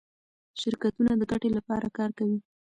شرکتونه د ګټې لپاره کار کوي.